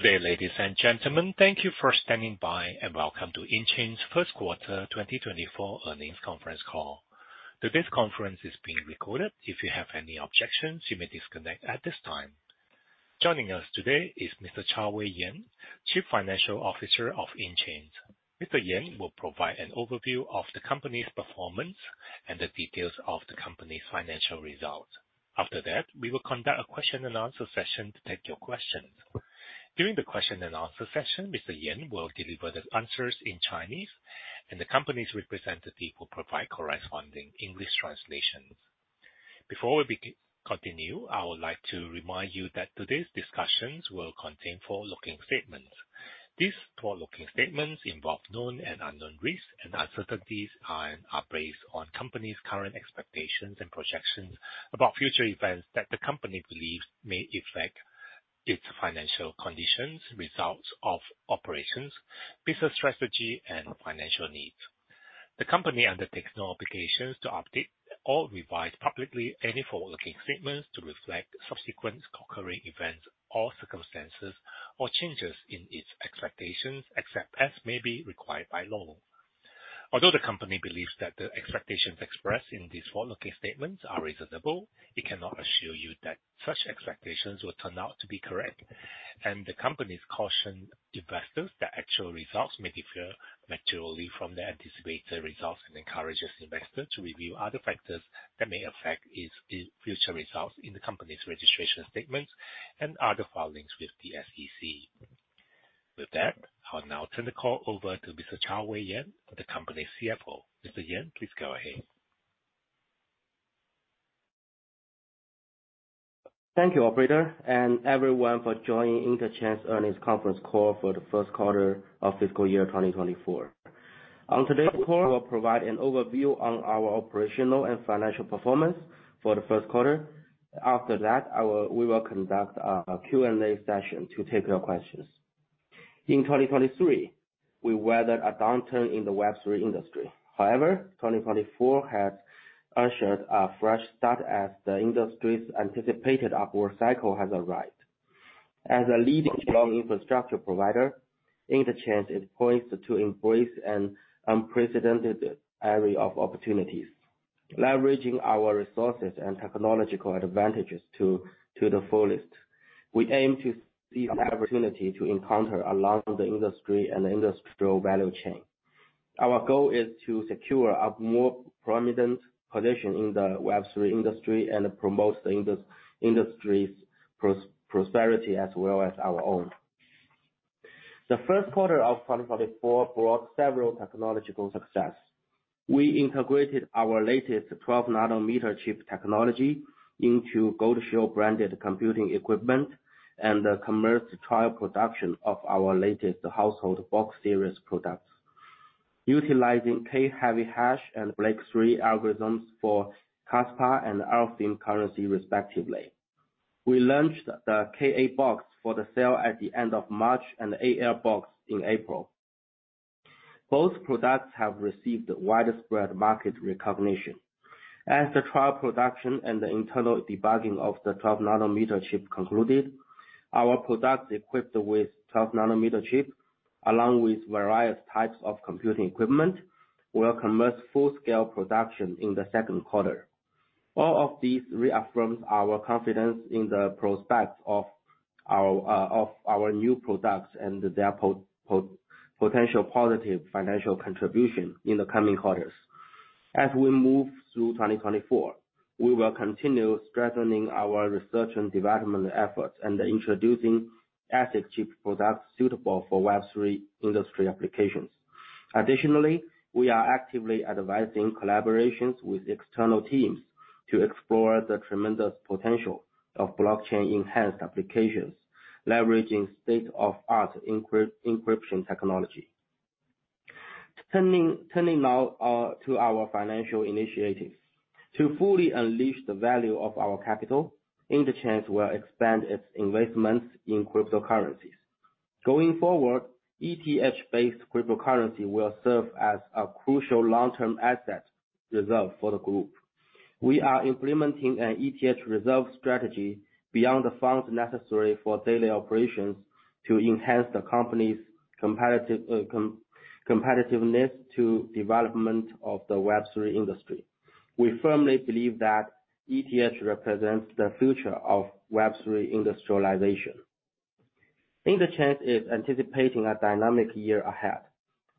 Good day, ladies and gentlemen. Thank you for standing by, and welcome to Intchains' first quarter 2024 earnings conference call. Today's conference is being recorded. If you have any objections, you may disconnect at this time. Joining us today is Mr. Chaowei Yan, Chief Financial Officer of Intchains. Mr. Yan will provide an overview of the company's performance and the details of the company's financial results. After that, we will conduct a question and answer session to take your questions. During the question and answer session, Mr. Yan will deliver the answers in Chinese, and the company's representative will provide corresponding English translations. Before we continue, I would like to remind you that today's discussions will contain forward-looking statements. These forward-looking statements involve known and unknown risks and uncertainties and are based on the company's current expectations and projections about future events that the company believes may affect its financial condition, results of operations, business strategy, and financial needs. The company undertakes no obligation to update or revise publicly any forward-looking statements to reflect subsequent occurring events or circumstances, or changes in its expectations, except as may be required by law. Although the company believes that the expectations expressed in these forward-looking statements are reasonable, it cannot assure you that such expectations will turn out to be correct. The company cautions investors that actual results may differ materially from the anticipated results and encourages investors to review other factors that may affect its future results in the company's registration statements and other filings with the SEC. With that, I'll now turn the call over to Mr. Chaowei Yan, the company's CFO. Mr. Yan, please go ahead. Thank you, operator, and everyone for joining Intchains' earnings conference call for the first quarter of fiscal year 2024. On today's call, I will provide an overview on our operational and financial performance for the first quarter. After that, we will conduct a Q&A session to take your questions. In 2023, we weathered a downturn in the Web3 industry. However, 2024 has ushered a fresh start as the industry's anticipated upward cycle has arrived. As a leading strong infrastructure provider, Intchains is poised to embrace an unprecedented array of opportunities. Leveraging our resources and technological advantages to the fullest, we aim to see an opportunity to encounter along the industry and the industrial value chain. Our goal is to secure a more prominent position in the Web3 industry and promote the industry's prosperity as well as our own. The first quarter of 2024 brought several technological success. We integrated our latest 12-nanometer chip technology into Goldshell branded computing equipment, and commenced trial production of our latest household BOX series products. Utilizing kHeavyHash and BLAKE3 algorithms for Kaspa and Alephium currency respectively, we launched the KA-BOX for sale at the end of March and AL-BOX in April. Both products have received widespread market recognition. As the trial production and the internal debugging of the 12-nanometer chip concluded, our products, equipped with 12-nanometer chip, along with various types of computing equipment, will commence full-scale production in the second quarter. All of these reaffirms our confidence in the prospects of our of our new products and their potential positive financial contribution in the coming quarters. As we move through 2024, we will continue strengthening our research and development efforts, and introducing ASIC chip products suitable for Web3 industry applications. Additionally, we are actively advising collaborations with external teams to explore the tremendous potential of blockchain-enhanced applications, leveraging state-of-the-art encryption technology. Turning now to our financial initiatives. To fully unleash the value of our capital, Intchains will expand its investments in cryptocurrencies. Going forward, ETH-based cryptocurrency will serve as a crucial long-term asset reserve for the group. We are implementing an ETH reserve strategy beyond the funds necessary for daily operations, to enhance the company's competitive competitiveness to development of the Web3 industry. We firmly believe that ETH represents the future of Web3 industrialization. Intchains is anticipating a dynamic year ahead,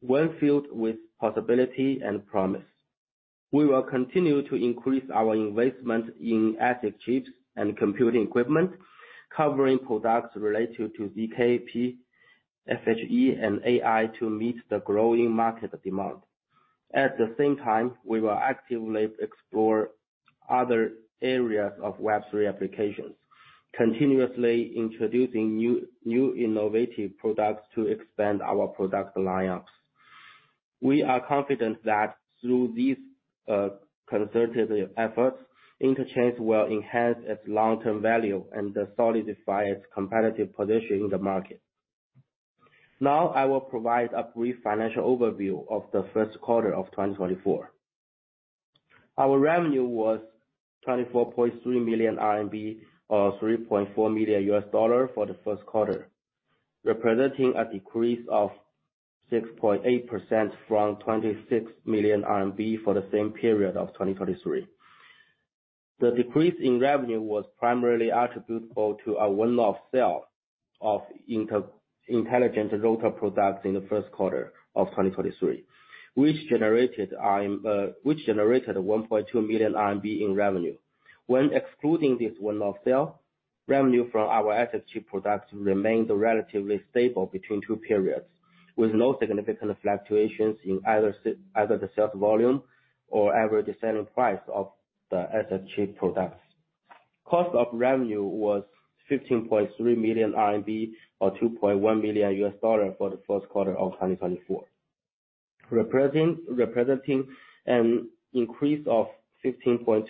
one filled with possibility and promise. We will continue to increase our investment in ASIC chips and computing equipment, covering products related to ZKP, FHE, and AI to meet the growing market demand. At the same time, we will actively explore other areas of Web3 applications, continuously introducing new, new innovative products to expand our product lineups. We are confident that through these concerted efforts, Intchains will enhance its long-term value and solidify its competitive position in the market. Now, I will provide a brief financial overview of the first quarter of 2024. Our revenue was 24.3 million RMB, or $3.4 million for the first quarter, representing a decrease of 6.8% from 26 million RMB for the same period of 2023. The decrease in revenue was primarily attributable to a one-off sale of Intchains intelligent router products in the first quarter of 2023, which generated 1.2 million RMB in revenue. When excluding this one-off sale, revenue from our ASIC products remained relatively stable between two periods, with no significant fluctuations in either the sales volume or average selling price of the ASIC products. Cost of revenue was 15.3 million RMB, or $2.1 million for the first quarter of 2024. Representing an increase of 15.2%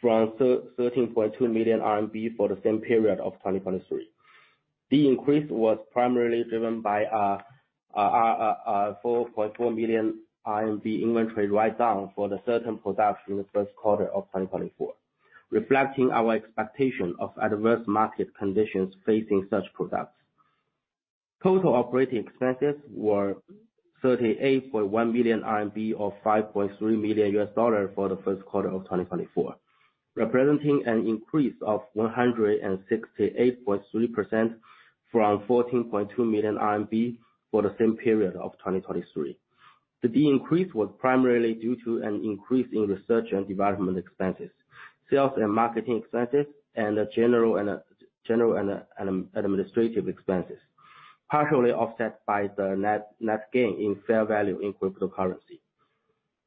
from 13.2 million RMB for the same period of 2023. The increase was primarily driven by a 4.4 million RMB inventory write-down for certain products in the first quarter of 2024, reflecting our expectation of adverse market conditions facing such products. Total operating expenses were 38.1 million RMB, or $5.3 million for the first quarter of 2024, representing an increase of 168.3% from 14.2 million RMB for the same period of 2023. The increase was primarily due to an increase in research and development expenses, sales and marketing expenses, and general and administrative expenses, partially offset by the net gain in fair value in cryptocurrency.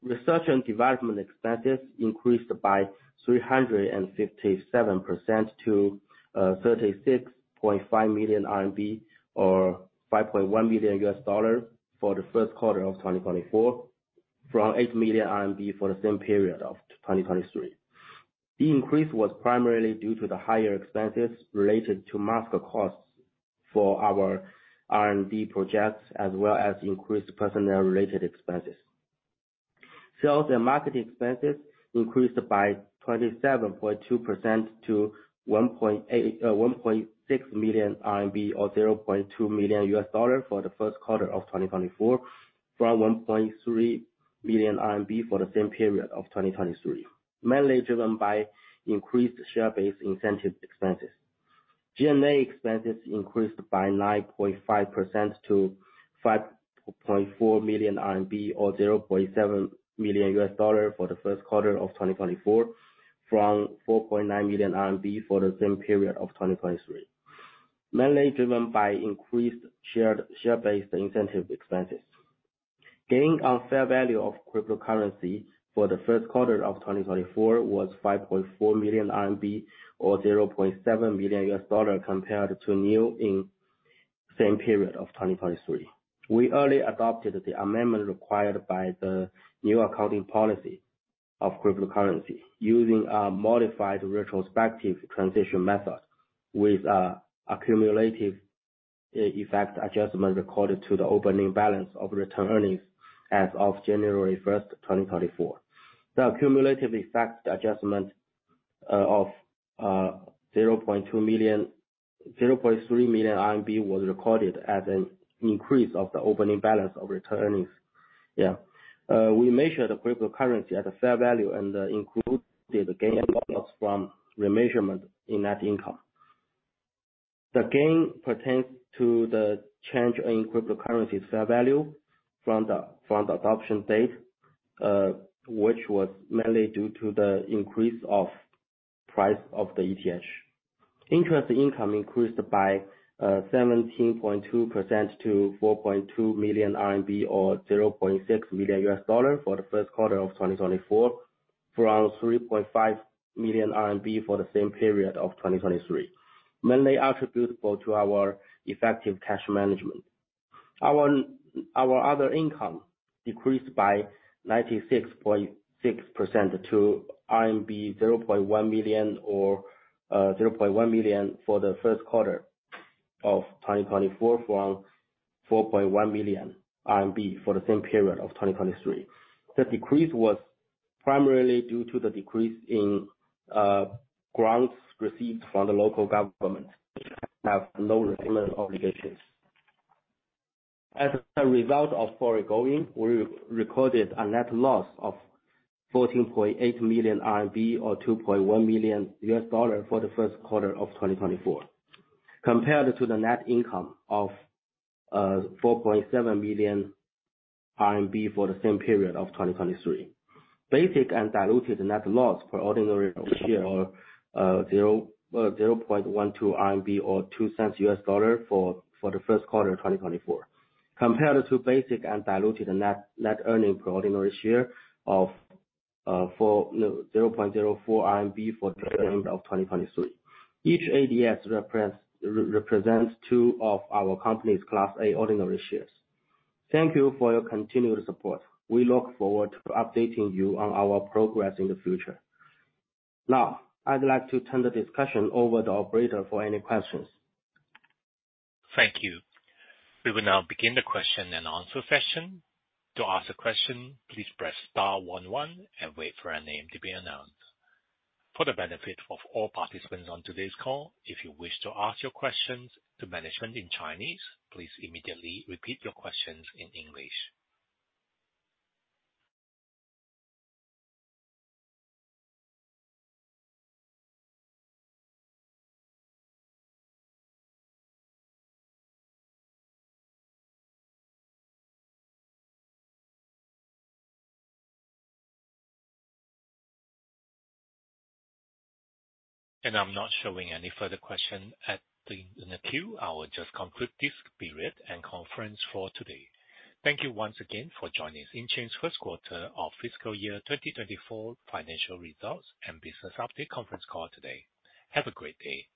Research and development expenses increased by 357% to 36.5 million RMB, or $5.1 million for the first quarter of 2024, from 8 million RMB for the same period of 2023. The increase was primarily due to the higher expenses related to market costs for our R&D projects, as well as increased personnel-related expenses. Sales and marketing expenses increased by 27.2% to 1.6 million RMB, or $0.2 million for the first quarter of 2024, from 1.3 million RMB for the same period of 2023, mainly driven by increased share-based incentive expenses. G&A expenses increased by 9.5% to 5.4 million RMB, or $0.7 million for the first quarter of 2024, from 4.9 million RMB for the same period of 2023, mainly driven by increased share-based incentive expenses. Gain on fair value of cryptocurrency for the first quarter of 2024 was 5.4 million RMB, or $0.7 million, compared to nil in same period of 2023. We early adopted the amendment required by the new accounting policy of cryptocurrency, using a modified retrospective transition method with cumulative effect adjustment recorded to the opening balance of retained earnings as of January 1st, 2024. The cumulative effect adjustment of 0.2 million... 0.3 million RMB was recorded as an increase of the opening balance of retained earnings. Yeah. We measured the cryptocurrency at a fair value and included the gain and loss from remeasurement in net income. The gain pertains to the change in cryptocurrency fair value from the adoption date, which was mainly due to the increase of price of the ETH. Interest income increased by 17.2% to 4.2 million RMB, or $0.6 million for the first quarter of 2024, from 3.5 million RMB for the same period of 2023. Mainly attributable to our effective cash management. Our other income decreased by 96.6% to RMB 0.1 million or 0.1 million for the first quarter of 2024, from 4.1 million RMB for the same period of 2023. The decrease was primarily due to the decrease in grants received from the local government, which have no repayment obligations. As a result of the foregoing, we recorded a net loss of 14.8 million RMB, or $2.1 million for the first quarter of 2024, compared to the net income of 4.7 million RMB for the same period of 2023. Basic and diluted net loss per ordinary share, CNY 00.12 or $0.02 for the first quarter of 2024, compared to basic and diluted net earning per ordinary share of, zero point zero four RMB for the end of 2023. Each ADS represents two of our company's Class A ordinary shares. Thank you for your continued support. We look forward to updating you on our progress in the future. Now, I'd like to turn the discussion over to operator for any questions. Thank you. We will now begin the question and answer session. To ask a question, please press star one one and wait for your name to be announced. For the benefit of all participants on today's call, if you wish to ask your questions to management in Chinese, please immediately repeat your questions in English. I'm not showing any further question in the queue. I will just conclude this period and conference for today. Thank you once again for joining Intchains's first quarter of fiscal year 2024 financial results and business update conference call today. Have a great day!